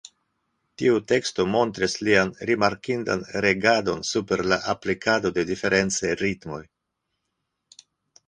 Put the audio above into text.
Tiu teksto montris lian rimarkindan regadon super la aplikado de diferencaj ritmoj.